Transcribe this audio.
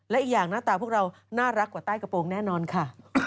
และอีกอย่างหน้าตาพวกเราน่ารักกว่าใต้กระโปรงแน่นอนค่ะ